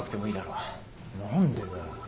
何でだよ。